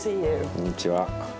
こんにちは。